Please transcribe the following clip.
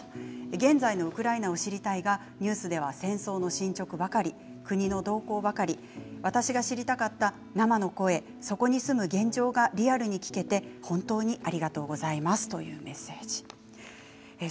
現在のウクライナを知りたいがニュースでは戦争の進捗ばかり国の動向ばかり私が知りたかった生の声そこに住む現状がリアルに聞けて本当にありがとうございますというメッセージです。